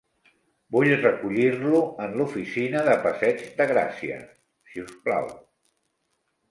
Vull recollir-lo en l'oficina de Passeig de Gràcia, si us plau.